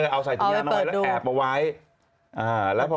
เอาสายทีมับน้อยและแอบ